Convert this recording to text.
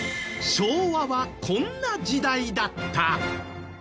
昭和はこんな時代だった。